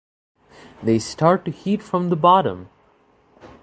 They start to heat from the bottom.